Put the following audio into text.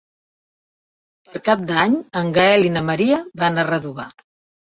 Per Cap d'Any en Gaël i na Maria van a Redovà.